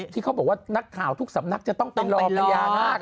ที่เขาบอกว่านักข่าวทุกสำนักจะต้องเป็นรองพญานาค